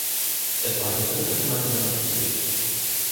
Es war ihr dritter gemeinsamer Titel.